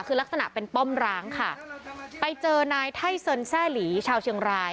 คือลักษณะเป็นป้อมร้างค่ะไปเจอนายไท่เซินแซ่หลีชาวเชียงราย